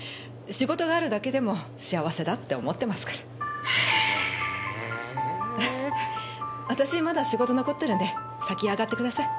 仕事があるだけでも幸せだって思ってますからへぇ私まだ仕事残ってるんで先上がってください